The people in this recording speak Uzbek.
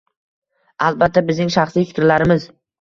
albatta, bizning shaxsiy fikrlarimiz